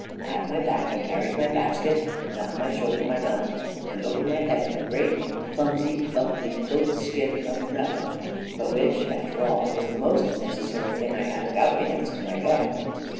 At my back I carried my basket, and on my shoulder my gun, and over my head a great clumsy, ugly, goat's skin umbrella, but which, after all, was the most necessary thing I had about me next to my gun.